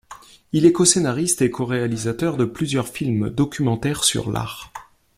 Il est coscénariste et coréalisateur de plusieurs films documentaires sur l'art.